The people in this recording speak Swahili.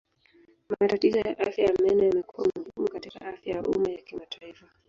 Matatizo ya afya ya meno yamekuwa muhimu katika afya ya umma ya kimataifa.